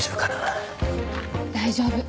大丈夫。